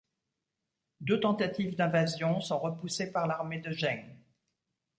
Deux tentatives d'invasions sont repoussées par l'armée de Zheng.